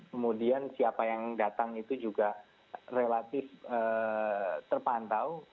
kemudian siapa yang datang itu juga relatif terpantau